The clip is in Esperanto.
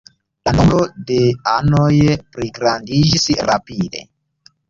La nombro de anoj pligrandiĝis rapide.